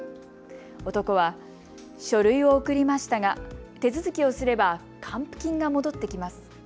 男は、書類を送りましたが手続きをすれば還付金が戻ってきます。